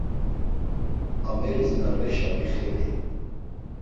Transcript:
Ameris na reşa vixeli.